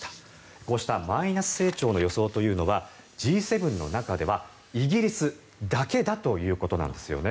こうしたマイナス成長の予想というのはＧ７の中ではイギリスだけだということなんです。